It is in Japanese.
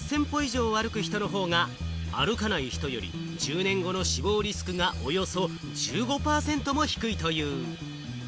週に１日から２日、８０００歩以上歩く人の方が歩かない人より、１０年後の死亡リスクがおよそ１５％も低いという。